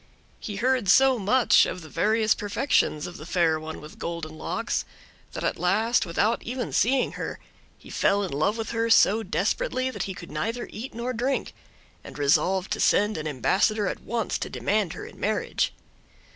He heard so much of the various perfections of the Fair One with Golden Locks, that at last, without even seeing her, he fell in love with her so desperately that he could neither eat nor drink, and resolved to send an ambassador at once to demand her in marriage.